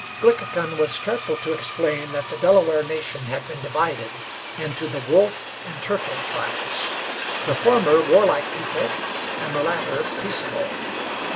Glickhican was careful to explain that the Delaware nation had been divided into the Wolf and Turtle tribes, the former warlike people, and the latter peaceable.